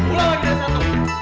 mulai lagi dari satu